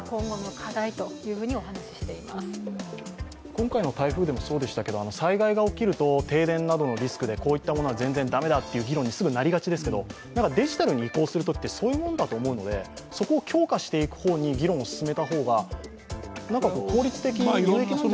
今回の台風でもそうでしたけど災害が起きると停電などのリスクで、こういったものは全然だめだという議論になりがちですけどデジタルに移行するときって、そういうものだと思うので、そこを強化していく方に議論を進めた方が効率的じゃないかなと。